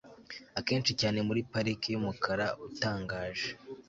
akenshi cyane muri parike yumukara utangaje